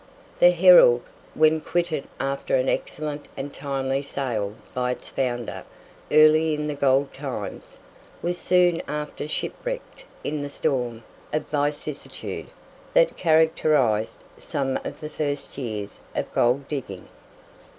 The Herald, when quitted after an excellent and timely sale by its founder early in the gold times, was soon after shipwrecked in the storm of vicissitude that characterized some of the first years of gold digging.